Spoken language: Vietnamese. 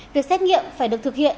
việc xét nghiệm phải được thực hiện